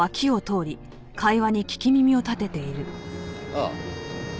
ああ。